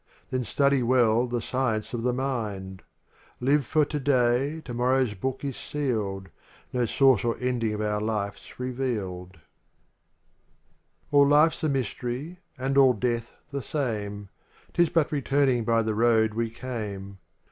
Then study well the science of the mind; Live for today, tomorrow's book is sealed, No source or ending of our life's revealed L All life s a myst'ry and all death the same, Tis but returning by the road we came.